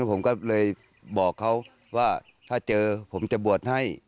ผมก็เลยบอกเขาว่าถ้าเจอผมจะบวชให้